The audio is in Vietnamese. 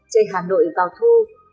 chơi hà nội vào thu